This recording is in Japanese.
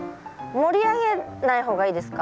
盛り上げない方がいいですか？